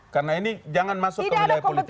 karena ini jangan masuk ke wilayah politik